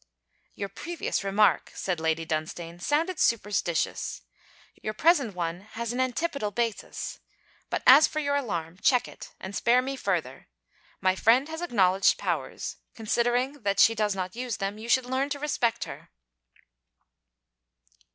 'Your previous remark,' said Lady Dunstane, 'sounded superstitious. Your present one has an antipodal basis. But, as for your alarm, check it: and spare me further. My friend has acknowledged powers. Considering that, she does not use them, you should learn to respect her.'